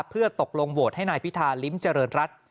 เพื่อตกลงโหวตให้นายพิธาลิ้มเจริญรัฐ